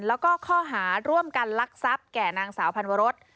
แล้วก็ข้อหาร่วมกันลักทรัพย์แก่นางสาวพันวรส